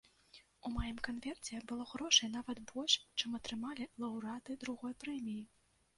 У маім канверце было грошай нават больш, чым атрымалі лаўрэаты другой прэміі!